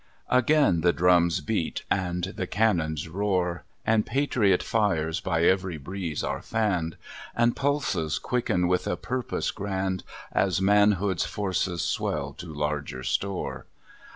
Again the drum's beat and the cannon's roar, And patriot fires by every breeze are fanned, And pulses quicken with a purpose grand, As manhood's forces swell to larger store.